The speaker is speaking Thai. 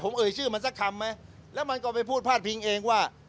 ผมเอ่ยชื่อมันสักคำไหมแล้วมันก็ไปพูดพาดพิงเองว่า